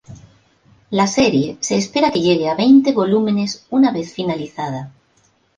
La serie se espera que llegue a veinte volúmenes una vez finalizada.